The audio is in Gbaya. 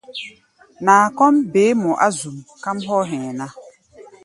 Naa kɔ́ʼm beé mɔ á zuʼm, káʼm hɔ́ hɛ̧ɛ̧ ná.